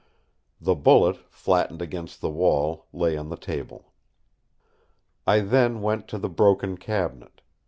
The bullet, flattened against the wall, lay on the table. I then went to the broken cabinet.